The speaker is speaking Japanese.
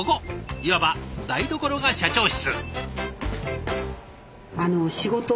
いわば台所が社長室。